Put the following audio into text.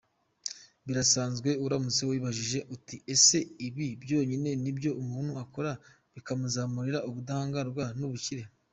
Birasanzwe uramutse wibajije uti ese: ‘ibi byonyine, nibyo umuntu akora, bikamuzanire ubudahangwarwa n’ubukire’.